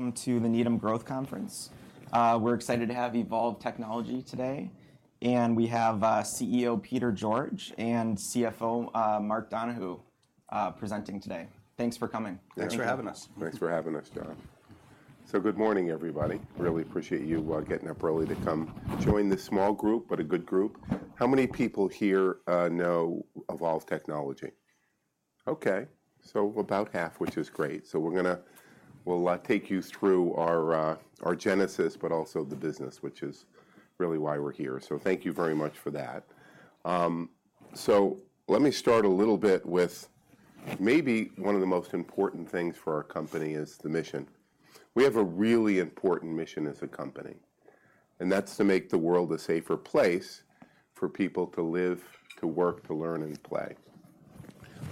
Welcome to the Needham Growth Conference. We're excited to have Evolv Technology today, and we have CEO Peter George and CFO Mark Donohue presenting today. Thanks for coming. Thanks for having us. Thanks for having us, John. So good morning, everybody. Really appreciate you getting up early to come join this small group, but a good group. How many people here know Evolv Technology? Okay, so about half, which is great. So we'll take you through our our genesis, but also the business, which is really why we're here. So thank you very much for that. So let me start a little bit with maybe one of the most important things for our company is the mission. We have a really important mission as a company, and that's to make the world a safer place for people to live, to work, to learn, and play.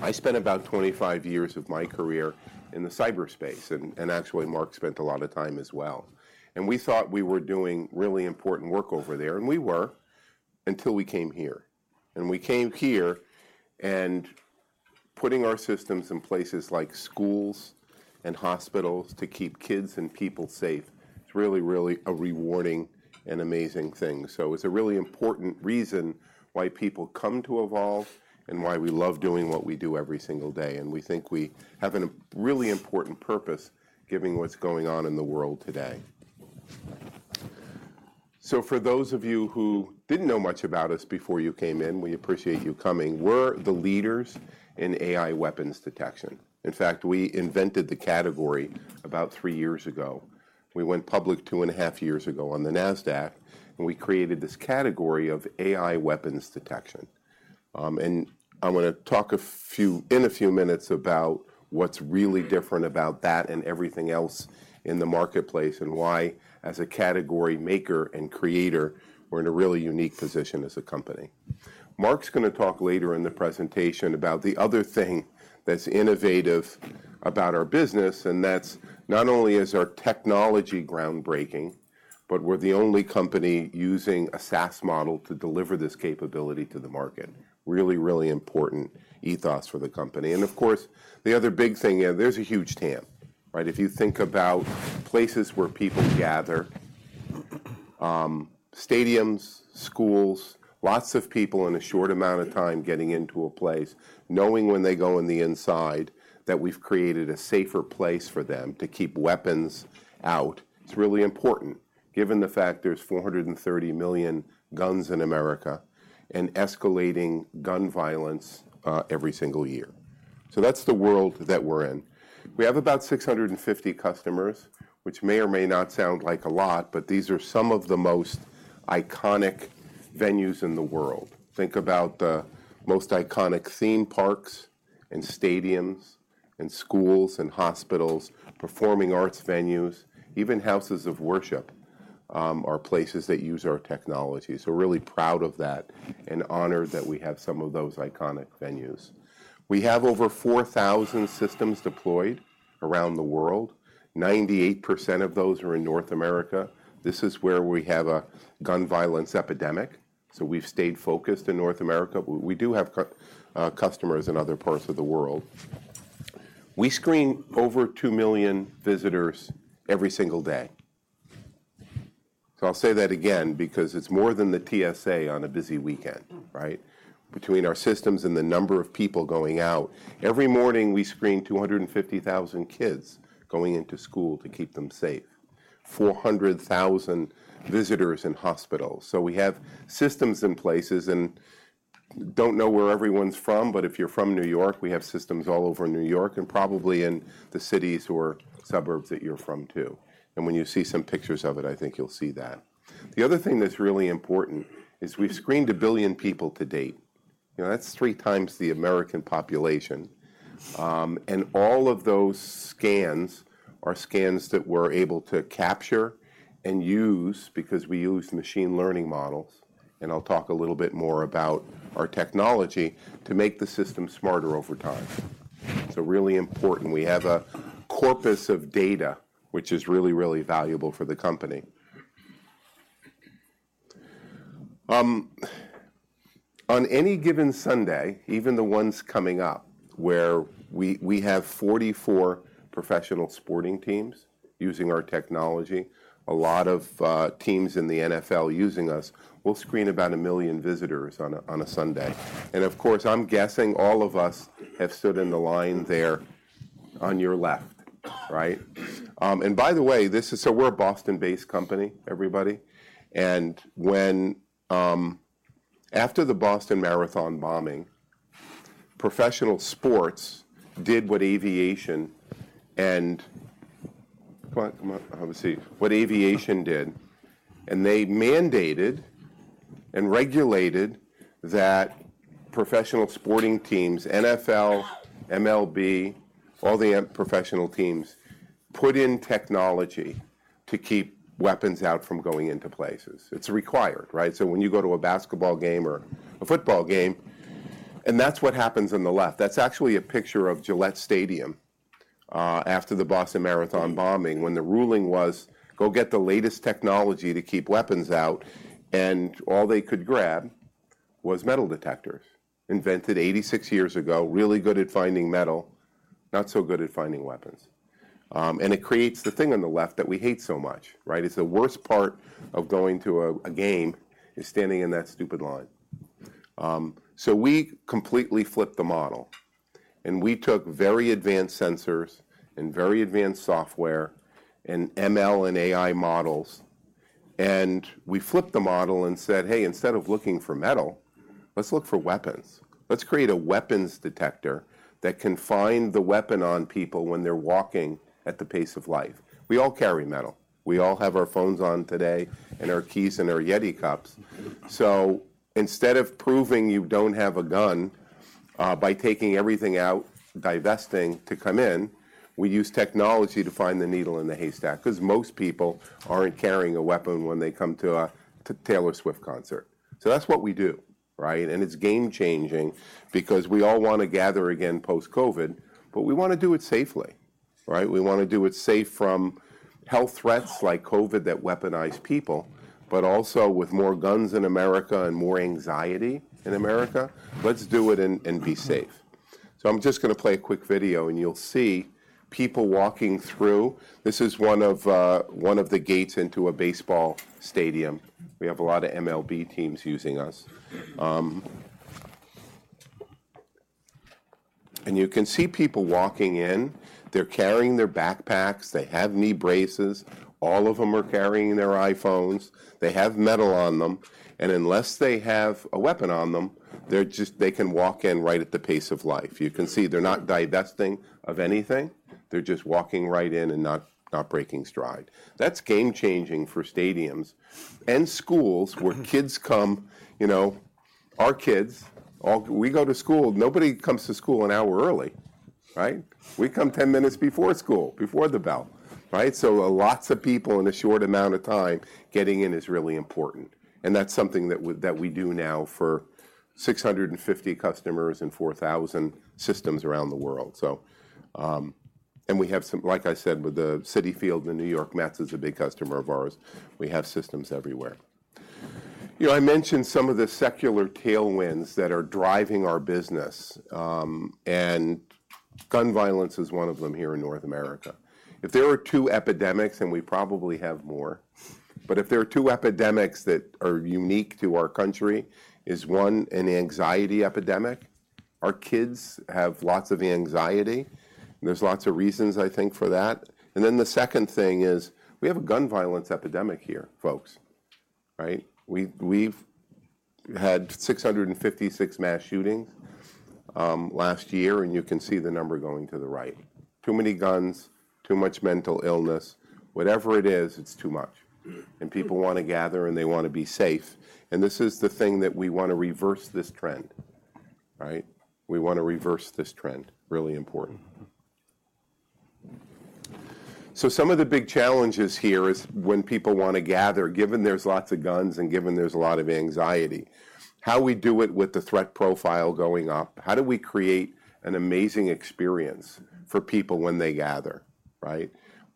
I spent about 25 years of my career in the cyberspace, and actually, Mark spent a lot of time as well. We thought we were doing really important work over there, and we were, until we came here. We came here, and putting our systems in places like schools and hospitals to keep kids and people safe, it's really, really a rewarding and amazing thing. So it's a really important reason why people come to Evolv and why we love doing what we do every single day, and we think we have a really important purpose, given what's going on in the world today. So for those of you who didn't know much about us before you came in, we appreciate you coming. We're the leaders in AI weapons detection. In fact, we invented the category about three years ago. We went public 2.5 years ago on the Nasdaq, and we created this category of AI weapons detection. I'm gonna talk in a few minutes about what's really different about that and everything else in the marketplace, and why, as a category maker and creator, we're in a really unique position as a company. Mark's gonna talk later in the presentation about the other thing that's innovative about our business, and that's not only is our technology groundbreaking, but we're the only company using a SaaS model to deliver this capability to the market. Really, really important ethos for the company. Of course, the other big thing, yeah, there's a huge TAM, right? If you think about places where people gather, stadiums, schools, lots of people in a short amount of time getting into a place, knowing when they go in the inside, that we've created a safer place for them to keep weapons out. It's really important, given the fact there's 430 million guns in America and escalating gun violence every single year. So that's the world that we're in. We have about 650 customers, which may or may not sound like a lot, but these are some of the most iconic venues in the world. Think about the most iconic theme parks and stadiums and schools and hospitals, performing arts venues, even houses of worship are places that use our technology. So we're really proud of that and honored that we have some of those iconic venues. We have over 4,000 systems deployed around the world. 98% of those are in North America. This is where we have a gun violence epidemic, so we've stayed focused in North America. We do have customers in other parts of the world. We screen over 2 million visitors every single day. So I'll say that again, because it's more than the TSA on a busy weekend, right? Between our systems and the number of people going out, every morning, we screen 250,000 kids going into school to keep them safe, 400,000 visitors in hospitals. So we have systems in places and don't know where everyone's from, but if you're from New York, we have systems all over New York and probably in the cities or suburbs that you're from, too. And when you see some pictures of it, I think you'll see that. The other thing that's really important is we've screened 1 billion people to date. You know, that's 3x the American population. And all of those scans are scans that we're able to capture and use because we use machine learning models, and I'll talk a little bit more about our technology to make the system smarter over time. So really important, we have a corpus of data which is really, really valuable for the company. On any given Sunday, even the ones coming up, where we have 44 professional sporting teams using our technology, a lot of teams in the NFL using us, we'll screen about 1 million visitors on a Sunday. And of course, I'm guessing all of us have stood in the line there on your left, right? And by the way, this is... So we're a Boston-based company, everybody. And when, after the Boston Marathon bombing, professional sports did what aviation and... Come on, come on, have a seat. What aviation did, and they mandated and regulated that professional sporting teams, NFL, MLB, all the professional teams, put in technology to keep weapons out from going into places. It's required, right? So when you go to a basketball game or a football game, and that's what happens on the left. That's actually a picture of Gillette Stadium after the Boston Marathon bombing, when the ruling was, "Go get the latest technology to keep weapons out," and all they could grab was metal detectors, invented 86 years ago. Really good at finding metal, not so good at finding weapons. It creates the thing on the left that we hate so much, right? It's the worst part of going to a game, is standing in that stupid line. So we completely flipped the model, and we took very advanced sensors and very advanced software and ML and AI models, and we flipped the model and said, "Hey, instead of looking for metal, let's look for weapons. Let's create a weapons detector that can find the weapon on people when they're walking at the pace of life." We all carry metal. We all have our phones on today and our keys and our Yeti cups. So instead of proving you don't have a gun, by taking everything out, divesting to come in, we use technology to find the needle in the haystack, 'cause most people aren't carrying a weapon when they come to a Taylor Swift concert. So that's what we do, right? And it's game-changing because we all want to gather again post-COVID, but we want to do it safely, right? We want to do it safe from health threats like COVID that weaponize people, but also with more guns in America and more anxiety in America. Let's do it and be safe. So I'm just going to play a quick video, and you'll see people walking through. This is one of the gates into a baseball stadium. We have a lot of MLB teams using us. And you can see people walking in. They're carrying their backpacks. They have knee braces. All of them are carrying their iPhones. They have metal on them, and unless they have a weapon on them, they're just, they can walk in right at the pace of life. You can see they're not divesting of anything. They're just walking right in and not breaking stride. That's game-changing for stadiums and schools where kids come, you know. Our kids all go to school, nobody comes to school 1 hour early, right? We come 10 minutes before school, before the bell, right? So lots of people in a short amount of time, getting in is really important, and that's something that we do now for 650 customers and 4,000 systems around the world. So, and we have some. Like I said, with Citi Field, the New York Mets is a big customer of ours. We have systems everywhere. You know, I mentioned some of the secular tailwinds that are driving our business, and gun violence is one of them here in North America. If there are two epidemics, and we probably have more, but if there are two epidemics that are unique to our country, one is an anxiety epidemic. Our kids have lots of anxiety, and there's lots of reasons, I think, for that. And then the second thing is, we have a gun violence epidemic here, folks, right? We've, we've had 656 mass shootings last year, and you can see the number going to the right. Too many guns, too much mental illness. Whatever it is, it's too much. And people want to gather, and they want to be safe. And this is the thing, that we want to reverse this trend, right? We want to reverse this trend. Really important. So some of the big challenges here is when people want to gather, given there's lots of guns and given there's a lot of anxiety, how we do it with the threat profile going up. How do we create an amazing experience for people when they gather, right?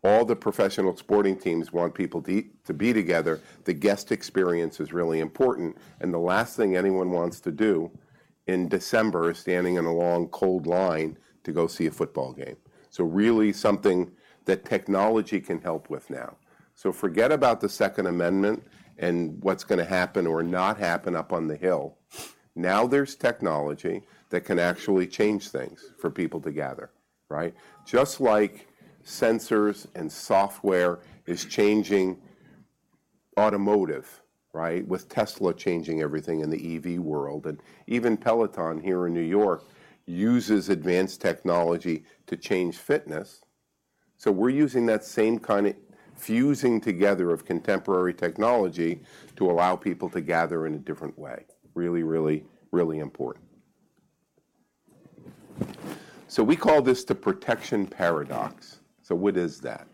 All the professional sporting teams want people to, to be together. The guest experience is really important, and the last thing anyone wants to do in December is standing in a long, cold line to go see a football game. So really something that technology can help with now. So forget about the Second Amendment and what's going to happen or not happen up on the Hill. Now there's technology that can actually change things for people to gather, right? Just like sensors and software is changing automotive, right, with Tesla changing everything in the EV world, and even Peloton here in New York uses advanced technology to change fitness. So we're using that same kind of fusing together of contemporary technology to allow people to gather in a different way. Really, really, really important. So we call this the protection paradox. So what is that?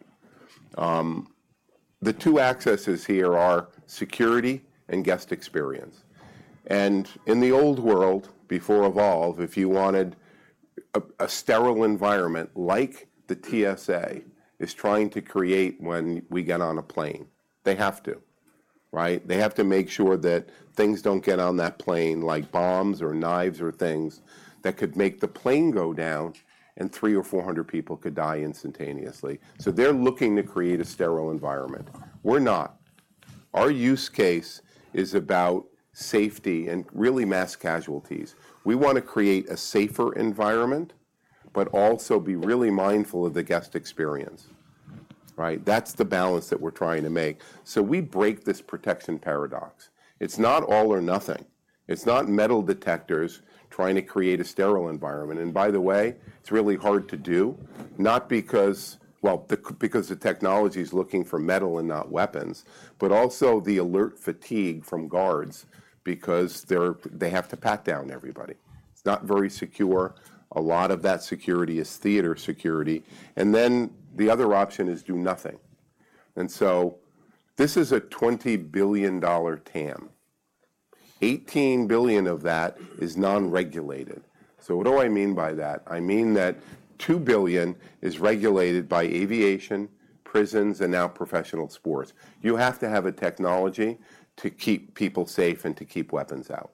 The two axes here are security and guest experience. And in the old world, before Evolv, if you wanted a sterile environment like the TSA is trying to create when we get on a plane... They have to, right? They have to make sure that things don't get on that plane, like bombs or knives or things that could make the plane go down and 300 or 400 people could die instantaneously. So they're looking to create a sterile environment. We're not. Our use case is about safety and really mass casualties. We want to create a safer environment, but also be really mindful of the guest experience, right? That's the balance that we're trying to make. So we break this protection paradox. It's not all or nothing. It's not metal detectors trying to create a sterile environment. And by the way, it's really hard to do, not because, well, because the technology's looking for metal and not weapons, but also the alert fatigue from guards because they're, they have to pat down everybody. It's not very secure. A lot of that security is theater security. And then the other option is do nothing. And so this is a $20 billion TAM. $18 billion of that is non-regulated. So what do I mean by that? I mean that $2 billion is regulated by aviation-... prisons, and now professional sports. You have to have a technology to keep people safe and to keep weapons out.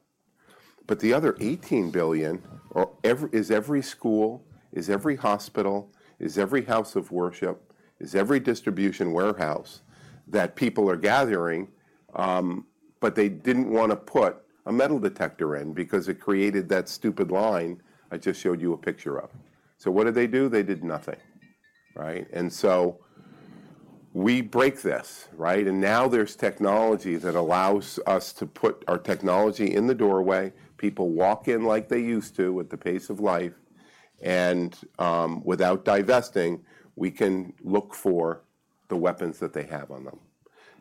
But the other $18 billion are, is every school, is every hospital, is every house of worship, is every distribution warehouse that people are gathering, but they didn't want to put a metal detector in because it created that stupid line I just showed you a picture of. So what did they do? They did nothing, right? And so we break this, right? And now there's technology that allows us to put our technology in the doorway. People walk in like they used to, with the pace of life, and, without divesting, we can look for the weapons that they have on them.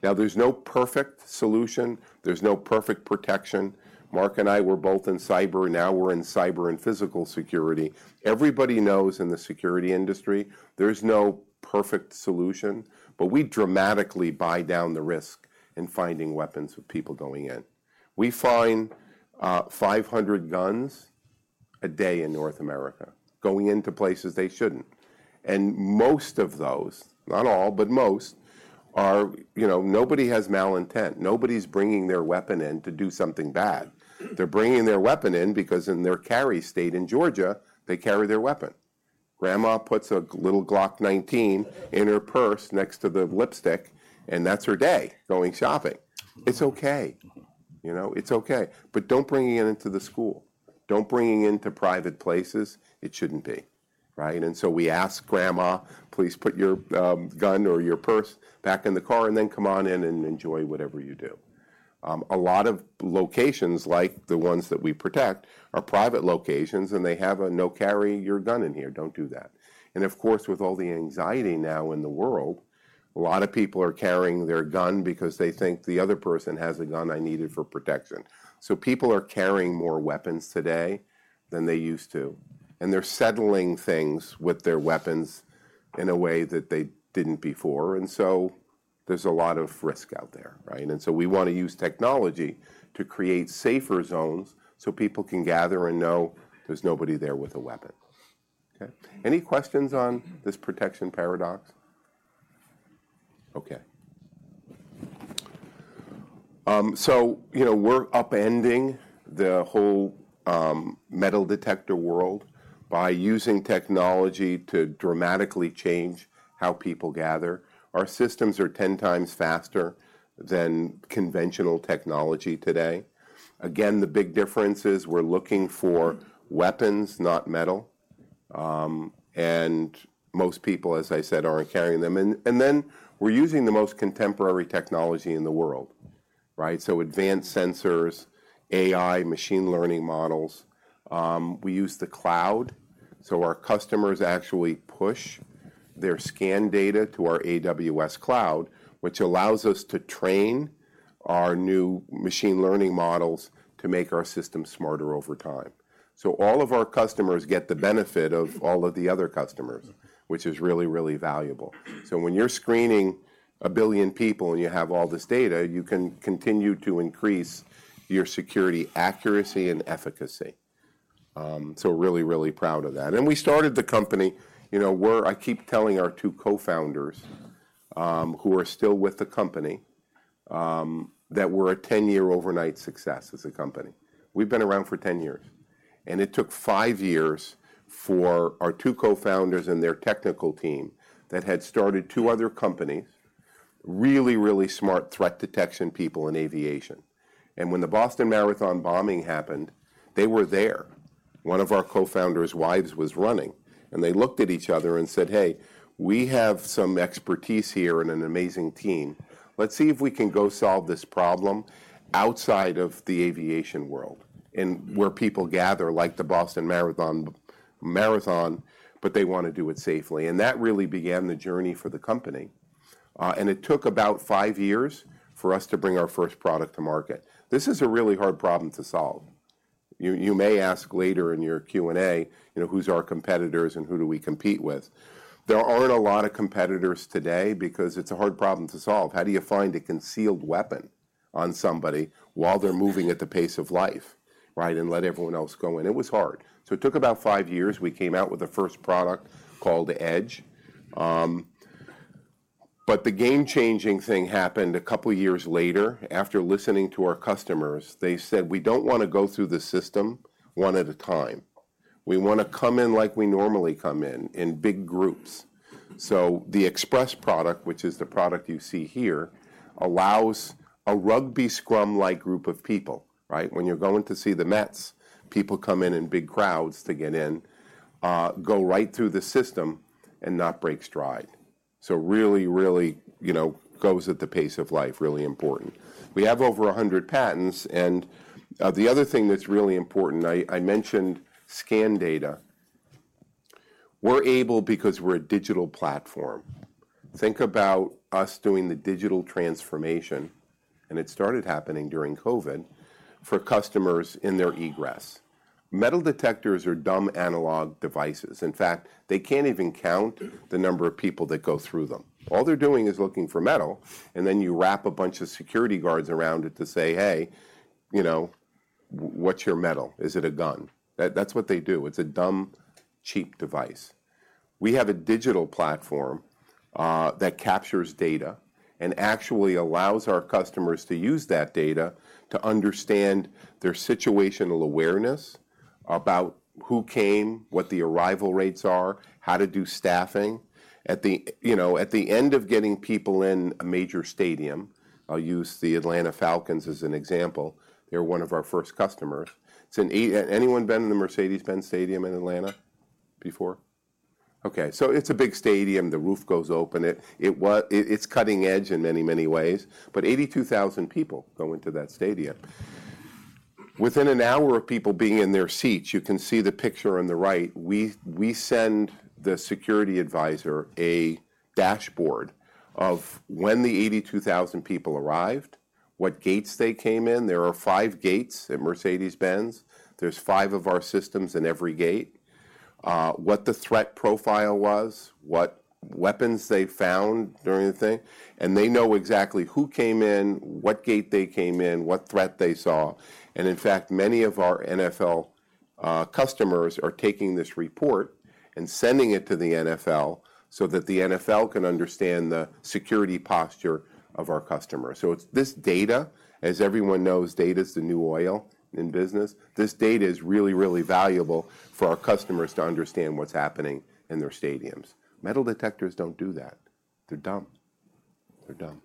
Now, there's no perfect solution. There's no perfect protection. Mark and I were both in cyber, now we're in cyber and physical security. Everybody knows in the security industry there's no perfect solution, but we dramatically buy down the risk in finding weapons with people going in. We find 500 guns a day in North America, going into places they shouldn't. And most of those, not all, but most, are... You know, nobody has malintent. Nobody's bringing their weapon in to do something bad. They're bringing their weapon in because in their carry state, in Georgia, they carry their weapon. Grandma puts a little Glock 19 in her purse next to the lipstick, and that's her day, going shopping. It's okay. You know, it's okay. But don't bring it into the school. Don't bring it into private places it shouldn't be, right? And so we ask, "Grandma, please put your gun or your purse back in the car, and then come on in and enjoy whatever you do." A lot of locations, like the ones that we protect, are private locations, and they have a "no carry your gun in here. Don't do that." And of course, with all the anxiety now in the world, a lot of people are carrying their gun because they think, "The other person has a gun I needed for protection." So people are carrying more weapons today than they used to, and they're settling things with their weapons in a way that they didn't before. And so there's a lot of risk out there, right? And so we want to use technology to create safer zones, so people can gather and know there's nobody there with a weapon. Okay, any questions on this protection paradox? Okay. So, you know, we're upending the whole metal detector world by using technology to dramatically change how people gather. Our systems are 10x faster than conventional technology today. Again, the big difference is we're looking for weapons, not metal. And most people, as I said, aren't carrying them. And then we're using the most contemporary technology in the world, right? So advanced sensors, AI, machine learning models. We use the cloud, so our customers actually push their scan data to our AWS cloud, which allows us to train our new machine learning models to make our system smarter over time. So all of our customers get the benefit of all of the other customers, which is really, really valuable. So when you're screening 1 billion people and you have all this data, you can continue to increase your security accuracy and efficacy. So we're really, really proud of that. And we started the company, you know, we're. I keep telling our two co-founders, who are still with the company, that we're a 10-year overnight success as a company. We've been around for 10 years, and it took five years for our two co-founders and their technical team that had started two other companies, really, really smart threat detection people in aviation. And when the Boston Marathon bombing happened, they were there. One of our co-founders' wives was running, and they looked at each other and said, "Hey, we have some expertise here and an amazing team. Let's see if we can go solve this problem outside of the aviation world, and where people gather, like the Boston Marathon, but they want to do it safely." And that really began the journey for the company. And it took about five years for us to bring our first product to market. This is a really hard problem to solve. You may ask later in your Q&A, you know, who's our competitors and who do we compete with? There aren't a lot of competitors today because it's a hard problem to solve. How do you find a concealed weapon on somebody while they're moving at the pace of life, right? And let everyone else go? And it was hard. So it took about five years. We came out with the first product called Edge. But the game-changing thing happened a couple of years later. After listening to our customers, they said, "We don't want to go through the system one at a time. We want to come in like we normally come in, in big groups." So the Express product, which is the product you see here, allows a rugby scrum-like group of people, right? When you're going to see the Mets, people come in in big crowds to get in, go right through the system and not break stride. So really, really, you know, goes at the pace of life, really important. We have over 100 patents and the other thing that's really important, I mentioned scan data. We're able because we're a digital platform. Think about us doing the digital transformation, and it started happening during COVID, for customers in their egress. Metal detectors are dumb analog devices. In fact, they can't even count the number of people that go through them. All they're doing is looking for metal, and then you wrap a bunch of security guards around it to say, "Hey, you know-... What's your metal? Is it a gun?" That, that's what they do. It's a dumb, cheap device. We have a digital platform that captures data and actually allows our customers to use that data to understand their situational awareness about who came, what the arrival rates are, how to do staffing. At the, you know, at the end of getting people in a major stadium, I'll use the Atlanta Falcons as an example, they were one of our first customers. Has anyone been in the Mercedes-Benz Stadium in Atlanta before? Okay, so it's a big stadium. The roof goes open. It's cutting edge in many, many ways, but 82,000 people go into that stadium. Within an hour of people being in their seats, you can see the picture on the right, we send the security advisor a dashboard of when the 82,000 people arrived, what gates they came in. There are five gates at Mercedes-Benz. There's five of our systems in every gate, what the threat profile was, what weapons they found during the thing, and they know exactly who came in, what gate they came in, what threat they saw. And in fact, many of our NFL customers are taking this report and sending it to the NFL so that the NFL can understand the security posture of our customers. So it's this data. As everyone knows, data is the new oil in business. This data is really, really valuable for our customers to understand what's happening in their stadiums. Metal detectors don't do that. They're dumb. They're dumb.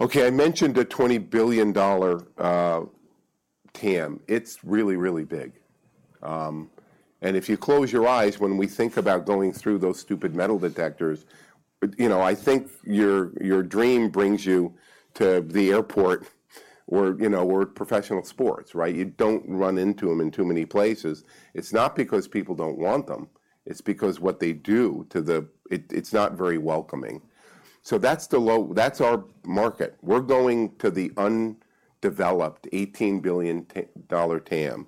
Okay, I mentioned a $20 billion TAM. It's really, really big. And if you close your eyes, when we think about going through those stupid metal detectors, you know, I think your, your dream brings you to the airport or, you know, or professional sports, right? You don't run into them in too many places. It's not because people don't want them, it's because what they do to the... It, it's not very welcoming. So that's the low- that's our market. We're going to the undeveloped $18 billion dollar TAM.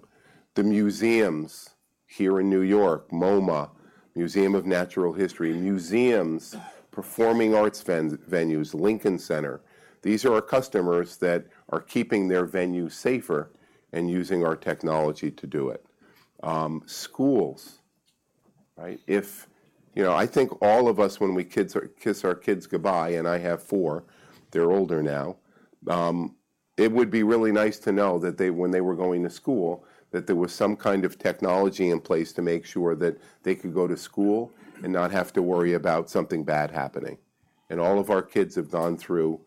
The museums here in New York, MoMA, Museum of Natural History, museums, performing arts venues, Lincoln Center, these are our customers that are keeping their venues safer and using our technology to do it. Schools, right? You know, I think all of us when we kids are, kiss our kids goodbye, and I have four, they're older now, it would be really nice to know that they when they were going to school, that there was some kind of technology in place to make sure that they could go to school and not have to worry about something bad happening. And all of our kids have gone through,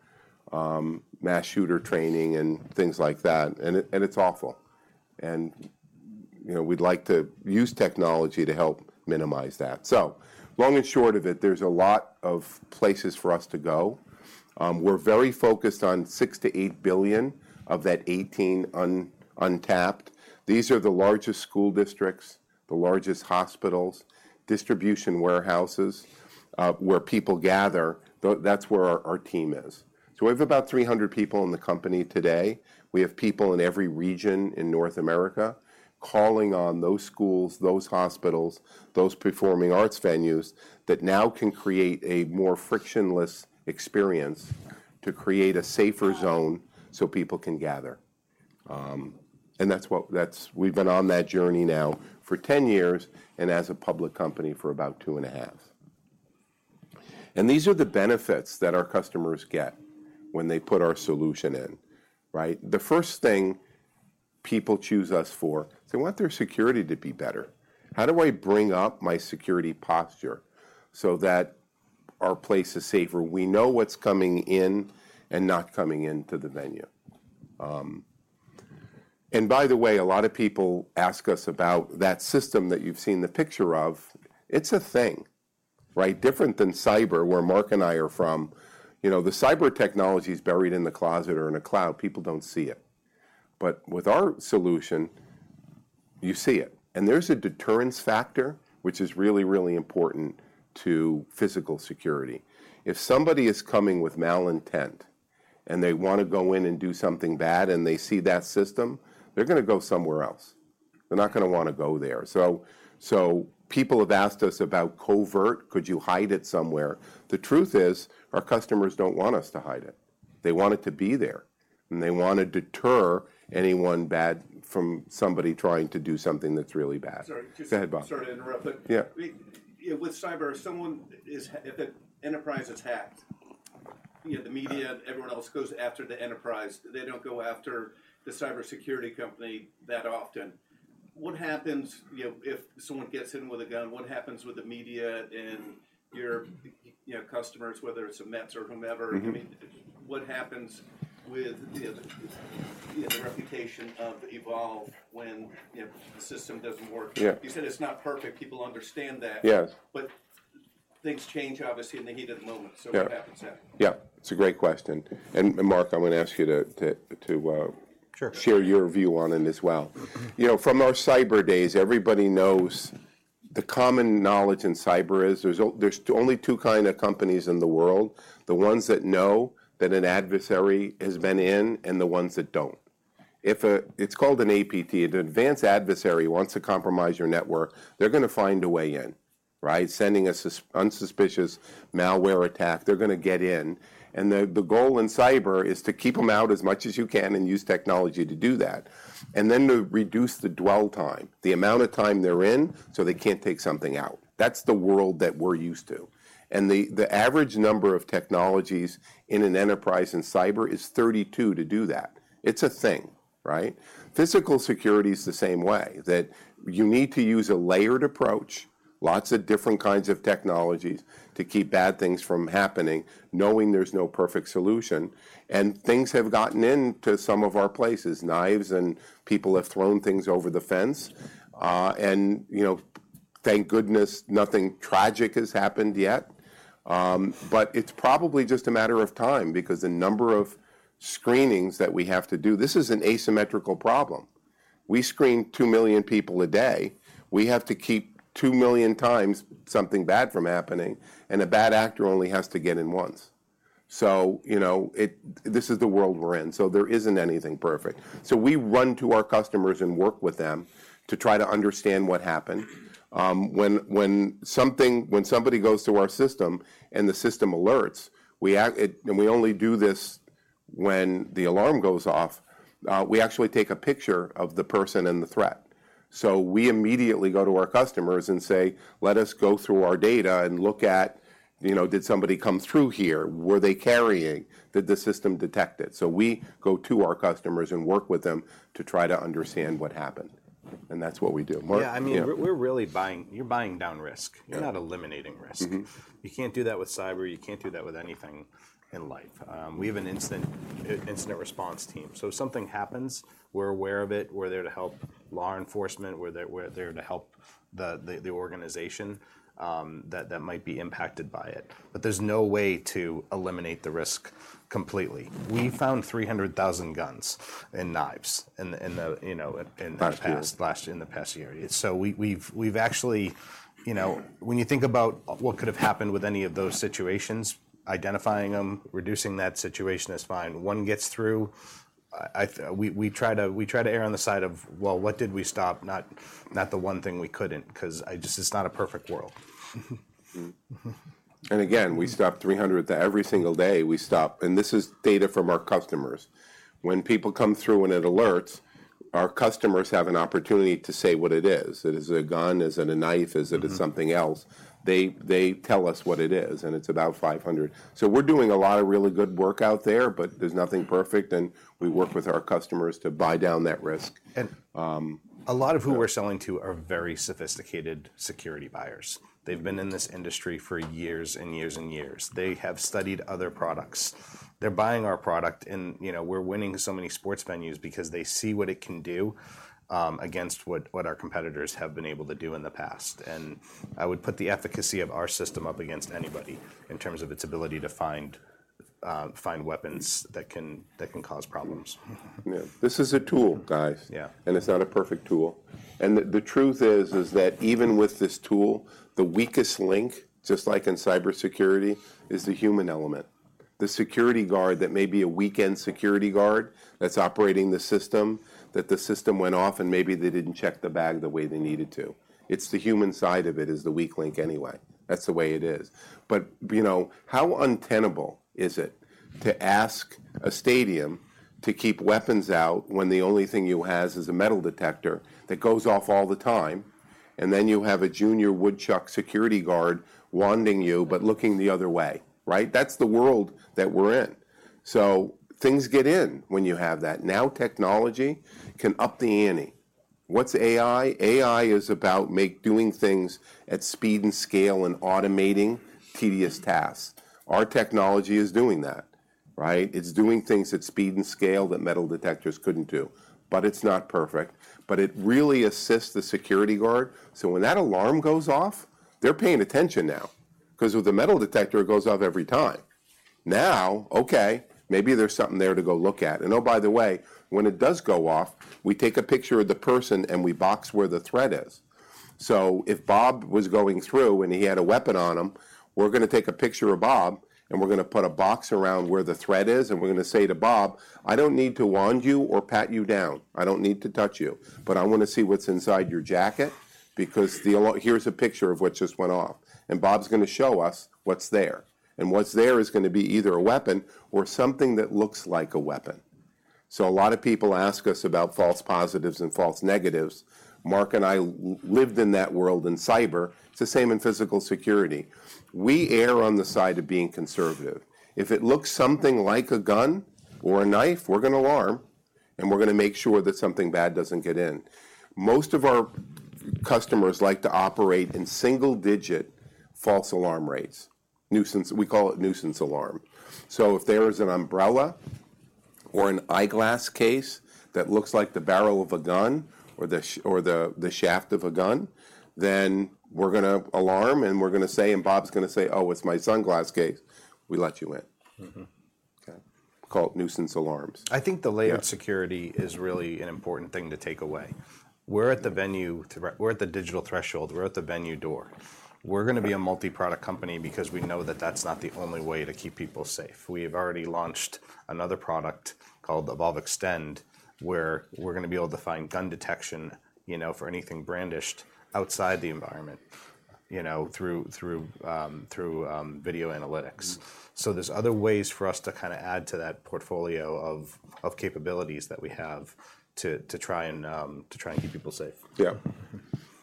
mass shooter training and things like that, and it, and it's awful, and, you know, we'd like to use technology to help minimize that. So long and short of it, there's a lot of places for us to go. We're very focused on $6 billion-$8 billion of that $18 untapped. These are the largest school districts, the largest hospitals, distribution warehouses, where people gather. That's where our team is. So we have about 300 people in the company today. We have people in every region in North America, calling on those schools, those hospitals, those performing arts venues that now can create a more frictionless experience to create a safer zone so people can gather. And that's what we've been on that journey now for 10 years, and as a public company for about 2.5. These are the benefits that our customers get when they put our solution in, right? The first thing people choose us for, they want their security to be better. How do I bring up my security posture so that our place is safer? We know what's coming in and not coming into the venue. And by the way, a lot of people ask us about that system that you've seen the picture of. It's a thing, right? Different than cyber, where Mark and I are from. You know, the cyber technology is buried in the closet or in a cloud, people don't see it. But with our solution, you see it, and there's a deterrence factor, which is really, really important to physical security. If somebody is coming with malintent and they want to go in and do something bad, and they see that system, they're gonna go somewhere else. They're not gonna want to go there. So, people have asked us about covert. Could you hide it somewhere? The truth is, our customers don't want us to hide it. They want it to be there, and they want to deter anyone bad from somebody trying to do something that's really bad. Sorry, just- Go ahead, Bob. Sorry to interrupt, but- Yeah. With cyber, if someone is, if an enterprise is hacked, you know, the media and everyone else goes after the enterprise. They don't go after the cybersecurity company that often. What happens, you know, if someone gets in with a gun, what happens with the media and your, you know, customers, whether it's the Mets or whomever? Mm-hmm. I mean, what happens with the reputation of Evolv when, you know, the system doesn't work? Yeah. You said it's not perfect. People understand that. Yes. But things change, obviously, in the heat of the moment- Yeah... so what happens then? Yeah, it's a great question. And Mark, I'm going to ask you to share your view on it as well. Mm-hmm. You know, from our cyber days, everybody knows the common knowledge in cyber is there's only two kind of companies in the world: the ones that know that an adversary has been in and the ones that don't. It's called an APT, if an advanced adversary wants to compromise your network, they're gonna find a way in. Right? Sending us an unsuspicious malware attack, they're gonna get in, and the goal in cyber is to keep them out as much as you can and use technology to do that. And then to reduce the dwell time, the amount of time they're in, so they can't take something out. That's the world that we're used to, and the average number of technologies in an enterprise in cyber is 32 to do that. It's a thing, right? Physical security is the same way, that you need to use a layered approach, lots of different kinds of technologies to keep bad things from happening, knowing there's no perfect solution. And things have gotten in to some of our places, knives, and people have thrown things over the fence. And, you know, thank goodness, nothing tragic has happened yet. But it's probably just a matter of time, because the number of screenings that we have to do, this is an asymmetrical problem. We screen 2 million people a day. We have to keep 2 million something bad from happening, and a bad actor only has to get in once. So, you know, this is the world we're in, so there isn't anything perfect. So we run to our customers and work with them to try to understand what happened. When somebody goes through our system and the system alerts, we act. And we only do this when the alarm goes off, we actually take a picture of the person and the threat. So we immediately go to our customers and say: "Let us go through our data and look at, you know, did somebody come through here? Were they carrying? Did the system detect it?" So we go to our customers and work with them to try to understand what happened, and that's what we do. Mark? Yeah, I mean- Yeah.... we're really buying, you're buying down risk. Yeah. You're not eliminating risk. Mm-hmm. You can't do that with cyber, you can't do that with anything in life. We have an incident response team. So if something happens, we're aware of it, we're there to help law enforcement, we're there to help the organization that might be impacted by it. But there's no way to eliminate the risk completely. We found 300,000 guns and knives in the, you know, in the past- Past year. Last, in the past year. So we've actually, you know, when you think about what could have happened with any of those situations, identifying them, reducing that situation is fine. One gets through. We try to err on the side of, well, what did we stop? Not the one thing we couldn't, 'cause I just, it's not a perfect world. And again, we stop 300 every single day. And this is data from our customers. When people come through and it alerts, our customers have an opportunity to say what it is. Is it a gun? Is it a knife? Mm-hmm. Is it something else? They, they tell us what it is, and it's about 500. So we're doing a lot of really good work out there, but there's nothing perfect, and we work with our customers to buy down that risk. And- Um. A lot of who we're selling to are very sophisticated security buyers. They've been in this industry for years and years and years. They have studied other products. They're buying our product, and, you know, we're winning so many sports venues because they see what it can do against what our competitors have been able to do in the past. And I would put the efficacy of our system up against anybody in terms of its ability to find weapons that can cause problems. Mm-hmm. Yeah. This is a tool, guys. Yeah. It's not a perfect tool. The truth is that even with this tool, the weakest link, just like in cybersecurity, is the human element. The security guard that may be a weekend security guard that's operating the system, that the system went off and maybe they didn't check the bag the way they needed to. It's the human side of it is the weak link anyway. That's the way it is. But, you know, how untenable is it to ask a stadium to keep weapons out when the only thing you has is a metal detector that goes off all the time, and then you have a Junior Woodchucks security guard wanding you, but looking the other way, right? That's the world that we're in. So things get in when you have that. Now, technology can up the ante. What's AI? AI is about doing things at speed and scale and automating tedious tasks. Our technology is doing that, right? It's doing things at speed and scale that metal detectors couldn't do, but it's not perfect, but it really assists the security guard. So when that alarm goes off, they're paying attention now, 'cause with the metal detector, it goes off every time. Now, okay, maybe there's something there to go look at. And oh, by the way, when it does go off, we take a picture of the person, and we box where the threat is. So if Bob was going through, and he had a weapon on him, we're gonna take a picture of Bob, and we're gonna put a box around where the threat is, and we're gonna say to Bob, "I don't need to wand you or pat you down. I don't need to touch you, but I want to see what's inside your jacket, because the alarm, here's a picture of what just went off." And Bob's gonna show us what's there, and what's there is gonna be either a weapon or something that looks like a weapon. So a lot of people ask us about false positives and false negatives. Mark and I lived in that world in cyber. It's the same in physical security. We err on the side of being conservative. If it looks something like a gun or a knife, we're gonna alarm, and we're gonna make sure that something bad doesn't get in. Most of our customers like to operate in single-digit false alarm rates, nuisance. We call it nuisance alarm. So if there is an umbrella or an eyeglass case that looks like the barrel of a gun or the shaft of a gun, then we're gonna alarm, and we're gonna say, and Bob's gonna say: "Oh, it's my sunglass case." We let you in. Mm-hmm. Okay? Call it nuisance alarms. I think the layer of security is really an important thing to take away. We're at the venue, we're at the digital threshold, we're at the venue door. We're gonna be a multi-product company because we know that that's not the only way to keep people safe. We have already launched another product called Evolv Extend, where we're gonna be able to find gun detection, you know, for anything brandished outside the environment. You know, through video analytics. Mm-hmm. So there's other ways for us to kind of add to that portfolio of capabilities that we have to try and keep people safe.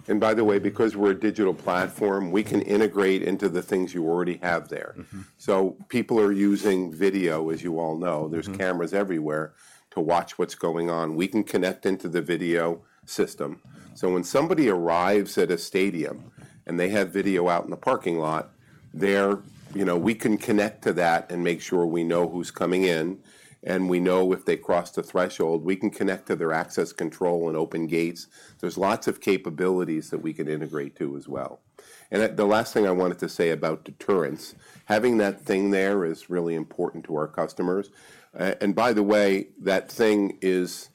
Yeah. Mm. By the way, because we're a digital platform, we can integrate into the things you already have there. Mm-hmm. People are using video, as you all know. Mm-hmm. There's cameras everywhere to watch what's going on. We can connect into the video system, so when somebody arrives at a stadium and they have video out in the parking lot, they're. You know, we can connect to that and make sure we know who's coming in, and we know if they crossed a threshold. We can connect to their access control and open gates. There's lots of capabilities that we can integrate to as well. And at the last thing I wanted to say about deterrence, having that thing there is really important to our customers. And by the way, that thing is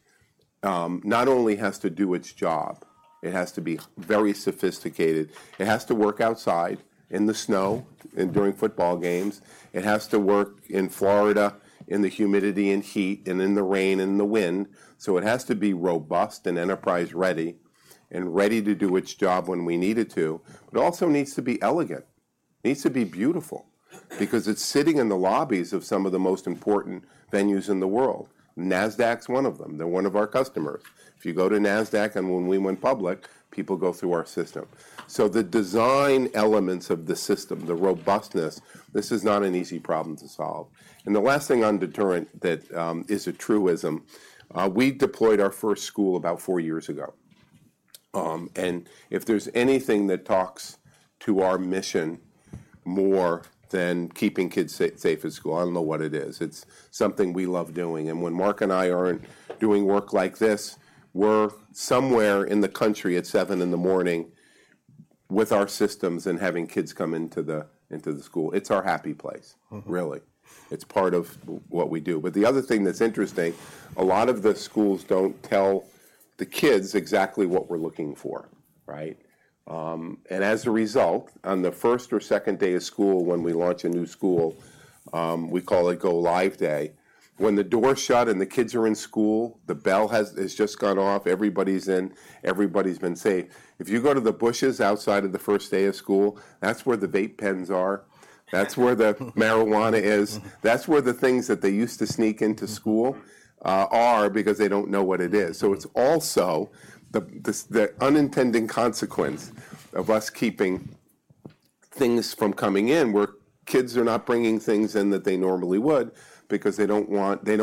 not only has to do its job, it has to be very sophisticated. It has to work outside in the snow and during football games. It has to work in Florida, in the humidity and heat, and in the rain and the wind. So it has to be robust and enterprise ready, and ready to do its job when we need it to. It also needs to be elegant. It needs to be beautiful because it's sitting in the lobbies of some of the most important venues in the world. Nasdaq's one of them. They're one of our customers. If you go to Nasdaq, and when we went public, people go through our system. So the design elements of the system, the robustness, this is not an easy problem to solve. And the last thing on deterrent that is a truism, we deployed our first school about four years ago. And if there's anything that talks to our mission more than keeping kids safe at school, I don't know what it is. It's something we love doing. When Mark and I aren't doing work like this, we're somewhere in the country at 7:00 A.M. with our systems and having kids come into the school. It's our happy place. Mm-hmm. Really. It's part of what we do. But the other thing that's interesting, a lot of the schools don't tell the kids exactly what we're looking for, right? And as a result, on the first or second day of school, when we launch a new school, we call it go live day. When the doors shut and the kids are in school, the bell has just gone off, everybody's in, everybody's been safe. If you go to the bushes outside of the first day of school, that's where the vape pens are. That's where the marijuana is. Mm. That's where the things that they used to sneak into school are because they don't know what it is. So it's also the unintended consequence of us keeping things from coming in, where kids are not bringing things in that they normally would because they don't want... They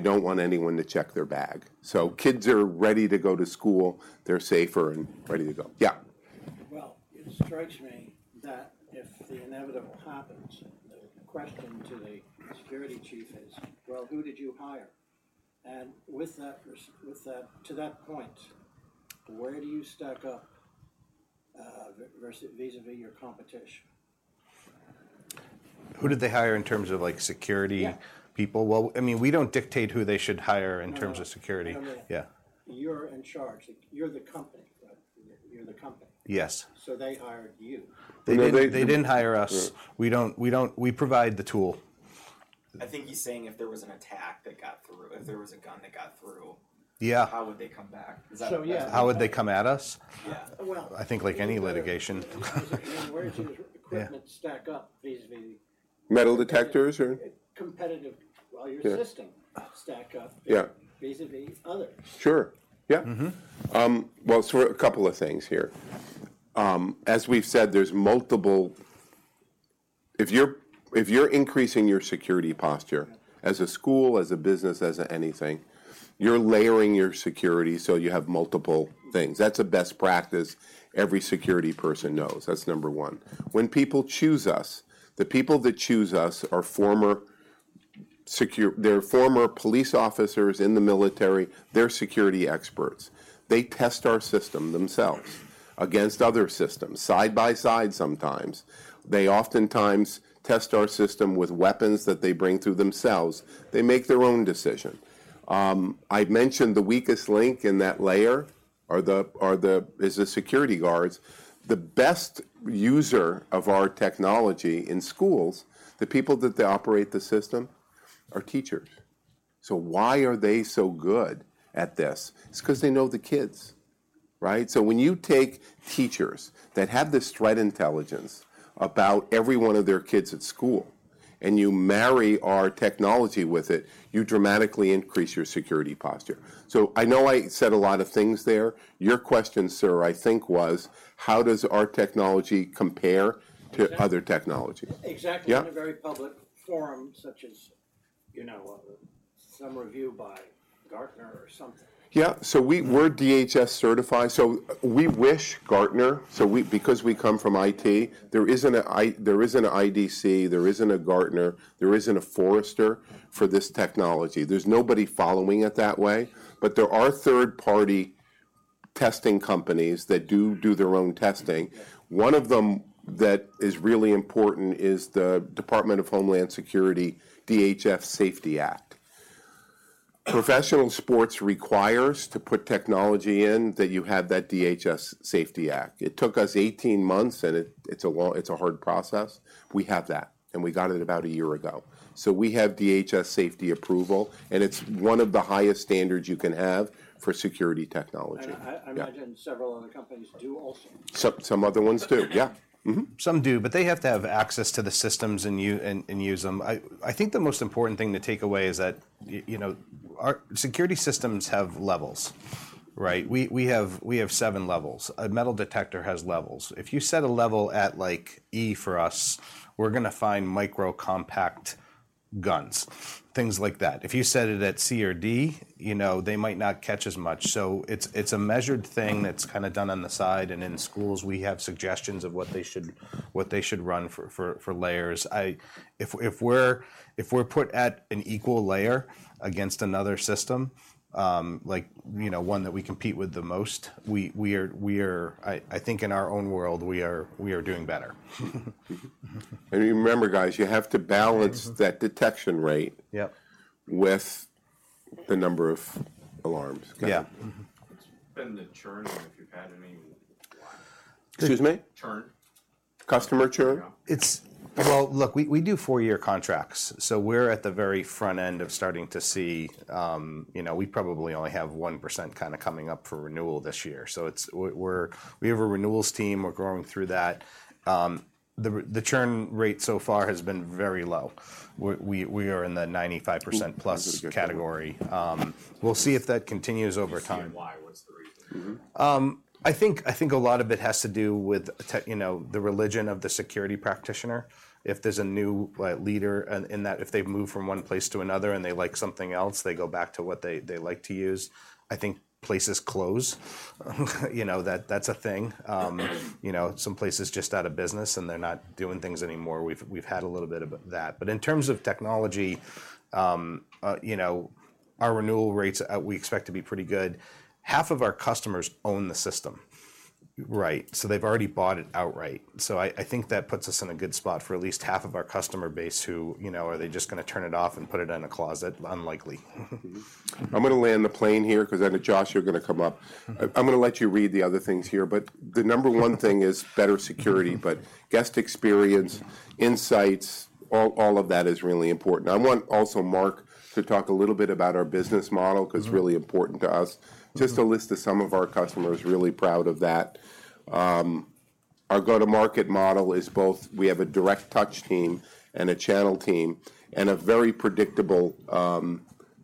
don't want anyone to check their bag. So kids are ready to go to school, they're safer and ready to go. Yeah. Well, it strikes me that if the inevitable happens, and the question to the security chief is: "Well, who did you hire?" And with that, to that point, where do you stack up vis-à-vis your competition? Who did they hire in terms of, like, security- Yeah... people? Well, I mean, we don't dictate who they should hire in terms of security. No, no. Yeah. You're in charge. You're the company, right? You're the company. Yes. So they hired you. They, they- They didn't hire us. Right. We don't... We provide the tool. I think he's saying if there was an attack that got through, if there was a gun that got through- Yeah... how would they come back? Is that- So, yeah. How would they come at us? Yeah. Well- I think like any litigation. Where does your- Yeah... equipment stack up vis-à-vis- Metal detectors or? Competitive- Yeah... well, your system stack up- Yeah... vis-à-vis others? Sure. Yeah. Mm-hmm. Well, a couple of things here. As we've said, there's multiple. If you're increasing your security posture as a school, as a business, as anything, you're layering your security so you have multiple things. That's a best practice every security person knows. That's number one. When people choose us, the people that choose us are former police officers in the military, they're security experts. They test our system themselves against other systems, side by side sometimes. They oftentimes test our system with weapons that they bring through themselves. They make their own decision. I'd mentioned the weakest link in that layer is the security guards. The best user of our technology in schools, the people that operate the system, are teachers. So why are they so good at this? It's 'cause they know the kids, right? So when you take teachers that have this threat intelligence about every one of their kids at school, and you marry our technology with it, you dramatically increase your security posture. So I know I said a lot of things there. Your question, sir, I think, was: How does our technology compare to other technologies? Exactly. Yeah. In a very public forum, such as, you know, some review by Gartner or something. Yeah. So we're DHS certified, so we wish Gartner... So we, because we come from IT, there isn't an IDC, there isn't a Gartner, there isn't a Forrester for this technology. There's nobody following it that way. But there are third-party testing companies that do their own testing. Yeah. One of them that is really important is the Department of Homeland Security, DHS Safety Act. Professional sports requires to put technology in, that you have that DHS Safety Act. It took us 18 months, and it, it's a long, it's a hard process. We have that, and we got it about a year ago. So we have DHS safety approval, and it's one of the highest standards you can have for security technology. I imagine several other companies do also. Some other ones do. Yeah. Mm-hmm. Some do, but they have to have access to the systems and use them. I think the most important thing to take away is that, you know, our security systems have levels, right? We, we have, we have seven levels. A metal detector has levels. If you set a level at, like, E for us, we're gonna find micro compact guns, things like that. If you set it at C or D, you know, they might not catch as much. So it's a measured thing that's kind of done on the side. And in schools, we have suggestions of what they should, what they should run for, for layers. I... If we're put at an equal layer against another system, like, you know, one that we compete with the most, I think in our own world, we are doing better. And remember, guys, you have to balance that detection rate- Yep... with the number of alarms. Yeah. Mm-hmm. What's been the churn, or if you've had any? Excuse me? Churn. Customer churn? Yeah. It's, well, look, we do four-year contracts, so we're at the very front end of starting to see, you know, we probably only have 1% kind of coming up for renewal this year. So it's, we have a renewals team. We're going through that. The churn rate so far has been very low. We are in the 95% plus category. We'll see if that continues over time. Do you see why? What's the reason? Mm-hmm. I think, I think a lot of it has to do with the you know, the religion of the security practitioner. If there's a new leader, and in that, if they've moved from one place to another and they like something else, they go back to what they, they like to use. I think places close. You know, that, that's a thing. You know, some places just out of business, and they're not doing things anymore. We've, we've had a little bit of that. But in terms of technology, you know, our renewal rates, we expect to be pretty good. Half of our customers own the system, right? So they've already bought it outright. I think that puts us in a good spot for at least half of our customer base, who, you know, are they just gonna turn it off and put it in a closet? Unlikely. I'm gonna land the plane here 'cause I know, Josh, you're gonna come up. I'm gonna let you read the other things here, but the number one thing is better security, but guest experience, insights, all, all of that is really important. I want also Mark to talk a little bit about our business model- Mm-hmm... 'cause it's really important to us. Mm-hmm. Just a list of some of our customers, really proud of that. Our go-to-market model is both, we have a direct touch team and a channel team, and a very predictable,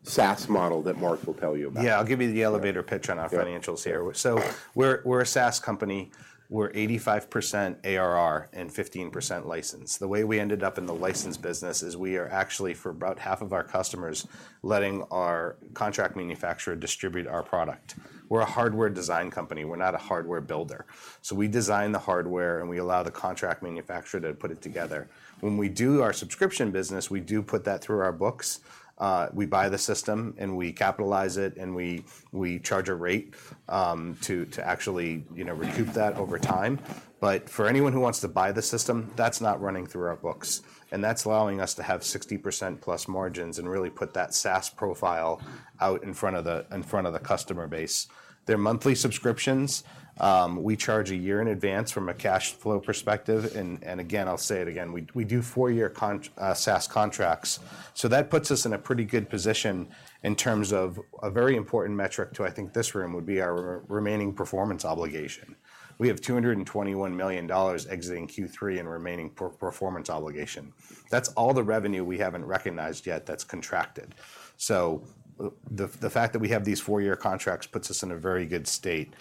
SaaS model that Mark will tell you about. Yeah. I'll give you the elevator pitch on our financials here. Yeah. So we're a SaaS company. We're 85% ARR and 15% license. The way we ended up in the license business is we are actually, for about half of our customers, letting our contract manufacturer distribute our product. We're a hardware design company. We're not a hardware builder, so we design the hardware, and we allow the contract manufacturer to put it together. When we do our subscription business, we do put that through our books. We buy the system, and we charge a rate to actually, you know, recoup that over time. But for anyone who wants to buy the system, that's not running through our books, and that's allowing us to have 60%+ margins and really put that SaaS profile out in front of the customer base. They're monthly subscriptions. We charge a year in advance from a cash flow perspective. And, and again, I'll say it again, we do four-year SaaS contracts. So that puts us in a pretty good position in terms of a very important metric to, I think, this room would be our remaining performance obligation. We have $221 million exiting Q3 in remaining performance obligation. That's all the revenue we haven't recognized yet that's contracted. So the fact that we have these four-year contracts puts us in a very good state.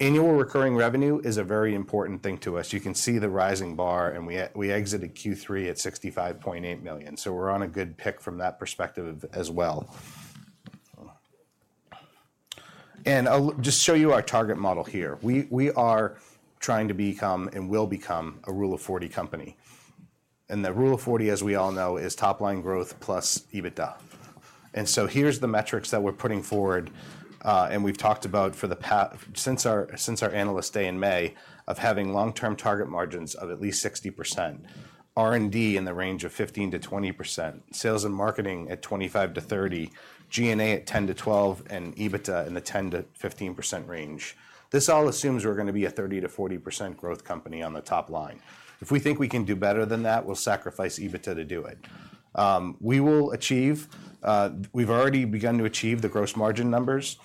Annual recurring revenue is a very important thing to us. You can see the rising bar, and we exited Q3 at $65.8 million. So we're on a good pick from that perspective as well. And I'll just show you our target model here. We are trying to become, and will become, a Rule of Forty company, and the Rule of Forty, as we all know, is top line growth plus EBITDA. And so here's the metrics that we're putting forward, and we've talked about since our Analyst Day in May, of having long-term target margins of at least 60%, R&D in the range of 15%-20%, sales and marketing at 25-30, G&A at 10-12, and EBITDA in the 10%-15% range. This all assumes we're gonna be a 30%-40% growth company on the top line. If we think we can do better than that, we'll sacrifice EBITDA to do it. We will achieve; we've already begun to achieve the gross margin numbers.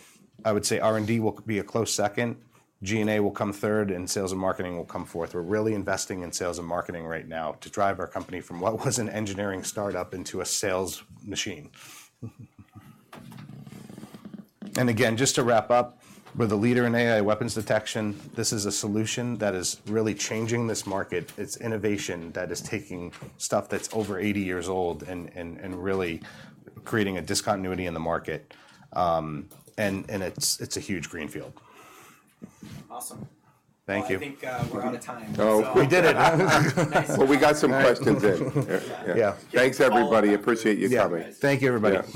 I would say R&D will be a close second, G&A will come third, and sales and marketing will come fourth. We're really investing in sales and marketing right now to drive our company from what was an engineering start-up into a sales machine. And again, just to wrap up, we're the leader in AI weapons detection. This is a solution that is really changing this market. It's innovation that is taking stuff that's over 80 years old and really creating a discontinuity in the market. And it's a huge greenfield. Awesome. Thank you. Well, I think, we're out of time. Oh. We did it! Well, we got some questions in. Yeah. Thanks, everybody. Appreciate you coming. Yeah. Thank you, everybody.